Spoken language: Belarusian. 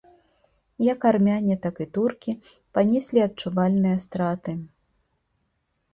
Як армяне, так і туркі панеслі адчувальныя страты.